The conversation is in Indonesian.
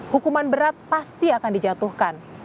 hukuman berat pasti akan dijatuhkan